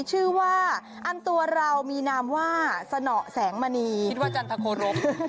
ชื่อว่าอันตัวเรามีนามว่าสนอแสงมณีคิดว่าจันทโครบ